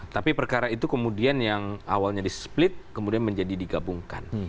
tapi perkara itu kemudian yang awalnya di split kemudian menjadi digabungkan